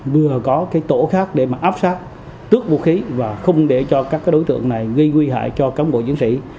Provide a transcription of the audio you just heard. vừa có cái tổ khác để mà áp sát tước vũ khí và không để cho các đối tượng này gây nguy hại cho cán bộ chiến sĩ